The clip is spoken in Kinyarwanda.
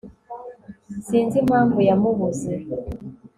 sinzi impamvu yamubuze